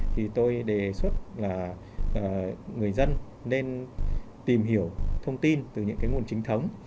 thì tôi đề xuất là người dân nên tìm hiểu thông tin từ những cái nguồn chính thống